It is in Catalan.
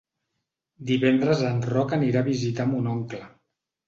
Divendres en Roc anirà a visitar mon oncle.